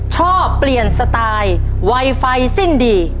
ชอบเปลี่ยนสไตล์ไวไฟสิ้นดี